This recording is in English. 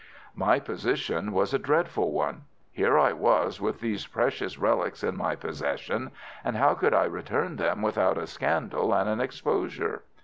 "My position was a dreadful one. Here I was with these precious relics in my possession, and how could I return them without a scandal and an exposure?